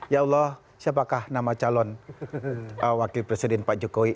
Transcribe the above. ya allah siapakah nama calon wakil presiden pak jokowi